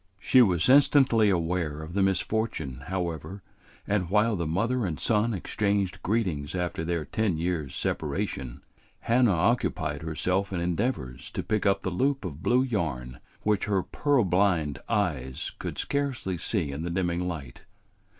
She was instantly aware of the misfortune, however, and while the mother and son exchanged greetings after their ten years' separation, Hannah occupied herself in endeavors to pick up the loop of blue yarn which her purblind eyes could scarcely see in the dimming light.